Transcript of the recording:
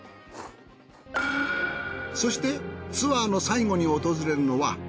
そしてツアーの最後に訪れるのは。